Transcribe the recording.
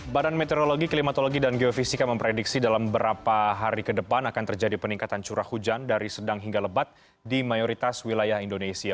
badan meteorologi klimatologi dan geofisika memprediksi dalam beberapa hari ke depan akan terjadi peningkatan curah hujan dari sedang hingga lebat di mayoritas wilayah indonesia